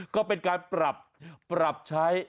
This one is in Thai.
ก็เป็นการปรับใช้